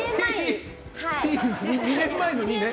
２年前の２ね。